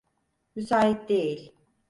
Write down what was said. Müsait değil.